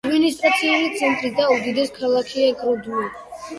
ადმინისტრაციული ცენტრი და უდიდესი ქალაქია გროდნო.